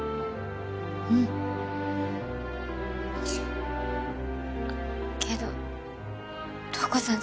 うんけど瞳子さん